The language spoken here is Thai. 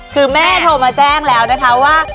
คือแม่โทรมาแจ้งแล้วนะคะว่า